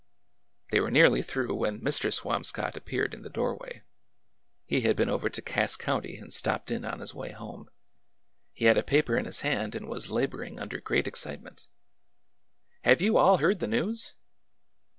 They were nearly through when Mr. Swamscott ap peare i in the doorway. He had been over to Cass County i8o ORDER NO. 11 and stopped in on his way home. He had a paper in his hand and was laboring under great excitement. " Have you all heard the news